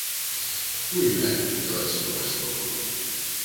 Πού είναι; ρώτησε το Βασιλόπουλο.